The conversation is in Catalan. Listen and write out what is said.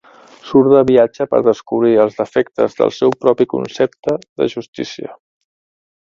Surt de viatge per descobrir els defectes del seu propi concepte de justícia.